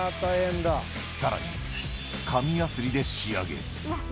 さらに、紙やすりで仕上げ。